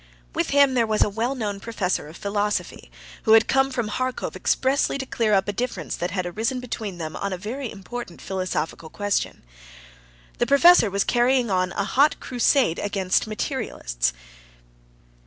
With him there was a well known professor of philosophy, who had come from Harkov expressly to clear up a difference that had arisen between them on a very important philosophical question. The professor was carrying on a hot crusade against materialists.